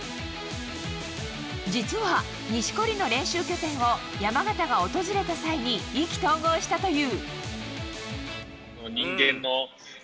実は、錦織の練習拠点を山縣が訪れた際に意気投合したという。